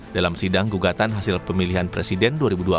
dalam sidang gugatan hasil pemilihan presiden dua ribu dua puluh